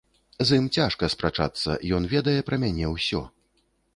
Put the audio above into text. З ім цяжка спрачацца, ён ведае пра мяне ўсё.